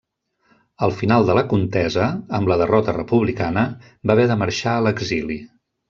Al final de la contesa, amb la derrota republicana, va haver de marxar a l'exili.